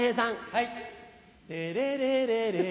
はい。